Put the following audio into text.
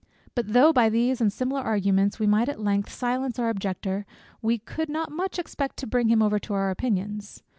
But though by these and similar arguments we might at length silence our objector, we could not much expect to bring him over to our opinions.